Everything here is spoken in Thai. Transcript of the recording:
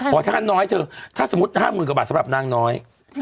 ภาษาน้อยเถอะถ้าสมมติ๕๐๐๐๐กว่าบาทสำหรับนางน้อย